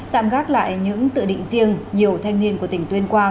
tạm gác lại những dự định riêng nhiều thanh niên của tỉnh tuyên quang